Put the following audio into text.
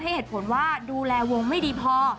เหตุผลว่าดูแลวงไม่ดีพอ